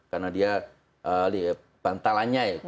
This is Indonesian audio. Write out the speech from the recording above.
karena dia bantalanya ya